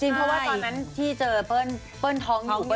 เพราะว่าตอนนั้นที่เจอเปิ้ลท้องอยู่